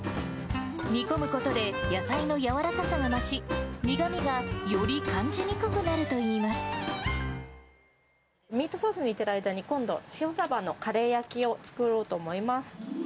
煮込むことで野菜の軟らかさが増し、苦みがより感じにくくなるとミートソース煮てる間に、今度、塩サバのカレー焼きを作ろうと思います。